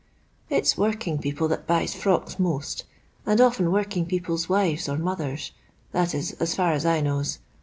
It's working people that buys frocks most, and oflcn working people's wives or mothers — that is as far as I knows.